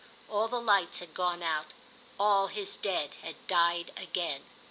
All the lights had gone out—all his Dead had died again.